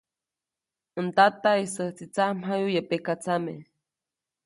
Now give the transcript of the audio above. Ndataʼisäjtsi tsamjayu yäʼ pekatsame,.